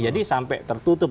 jadi sampai tertutup